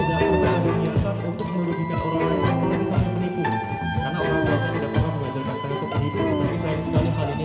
yang bisa menipu karena orang orang tidak pernah mengajarkan penipu penipu saya sekali hal ini